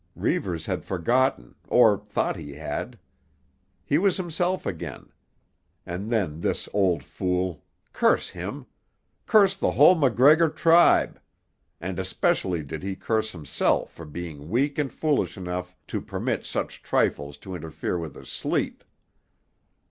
Reivers had forgotten, or thought he had. He was himself again. And then this old fool—curse him! Curse the whole MacGregor tribe. And especially did he curse himself for being weak and foolish enough to permit such trifles to interfere with his sleep.